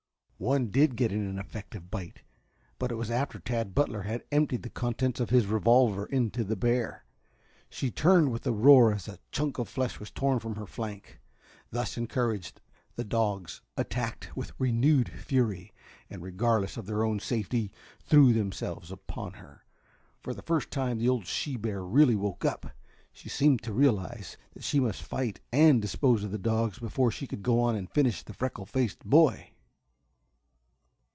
One did get in an effective bite, but it was after Tad Butler had emptied the contents of his revolver into the bear. She turned with a roar as a chunk of flesh was torn from her flank. Thus encouraged, the dogs attacked with renewed fury, and, regardless of their own safety, threw themselves upon her. For the first time the old she bear really woke up. She seemed to realize that she must fight and dispose of the dogs before she could go on and finish the freckle faced boy.